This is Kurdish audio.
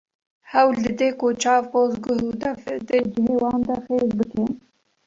Hewl dide ku çav, poz, guh û dev di cihê wan de xêz bike.